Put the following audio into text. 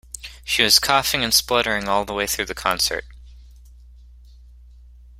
She was coughing and spluttering all the way through the concert.